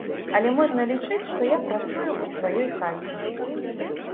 Але можна лічыць, што я працую ў сваёй хаце.